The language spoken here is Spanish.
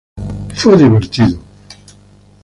Fue divertido.